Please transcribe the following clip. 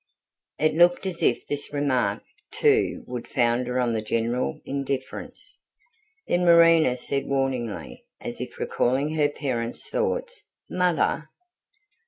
It looked as if this remark, too, would founder on the general indifference. Then Marina said warningly, as if recalling her parent's thoughts: "Mother!"